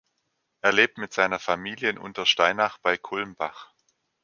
Er lebt mit seiner Familie in Untersteinach bei Kulmbach.